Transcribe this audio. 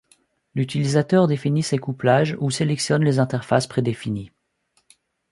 L'utilisateur définit ses couplages ou sélectionne les interfaces prédéfinies.